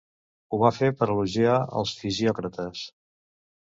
Ho va fer per elogiar els fisiòcrates.